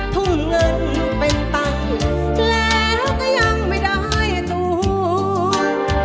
ทุ่มเงินเป็นตังค์แล้วก็ยังไม่ได้ตัว